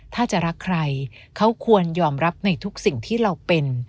ถ้าจะรักใครเขาควรยอมรับในทุกสิ่งที่เราเป็น